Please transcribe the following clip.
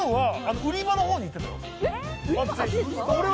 売り場の方に行ってたよ。